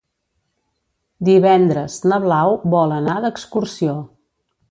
Divendres na Blau vol anar d'excursió.